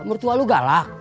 mertua lu galak